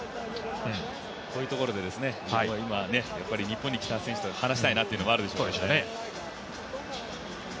こういうところで今、日本に来た選手と話したいというのもあるでしょうね。